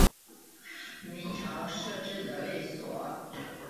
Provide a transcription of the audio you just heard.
明朝设置的卫所。